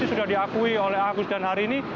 sudah diakui oleh agus dan hari ini